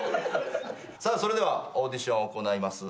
それではオーディションを行います。